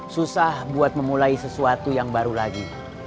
susah buat memulai sesuatu yang baru lagi